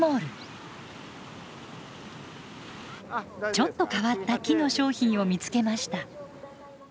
ちょっと変わった木の商品を見つけました。